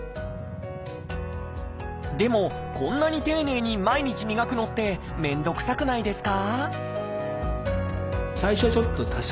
でもこんなに丁寧に毎日磨くのって面倒くさくないですか？